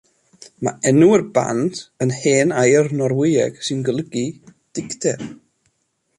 Mae enw'r band yn hen air Norwyeg sy'n golygu “Dicter”.